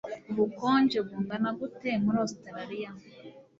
Ubukonje bungana gute muri Ositaraliya